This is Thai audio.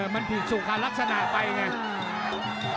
มันผิดสุขารักษณะไปเนี่ย